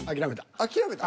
諦めた？